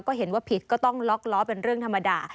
ก็เห็นว่าผิดก็ต้องล็อกล้อเป็นเรื่องธรรมดา